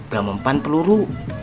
gak mempan peluru